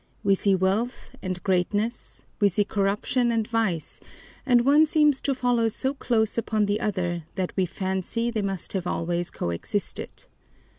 We see wealth and greatness; we see corruption and vice; and one seems to follow so close upon the other, that we fancy they must have always co existed.